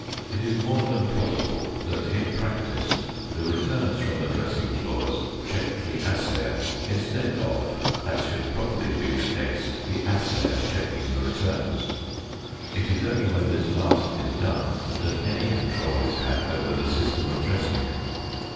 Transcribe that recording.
It is more than probable that in practice the returns from the dressing floors check the assayer, instead of, as should properly be the case, the assayer checking the returns. It is only when this last is done that any control is had over the system of dressing.